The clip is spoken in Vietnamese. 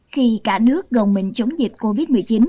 khi cả nước gồng mình chống dịch covid một mươi chín